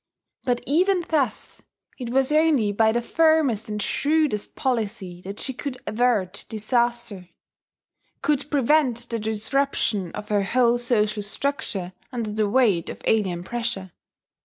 But even thus it was only by the firmest and shrewdest policy that she could avert disaster, could prevent the disruption of her whole social structure under the weight of alien pressure.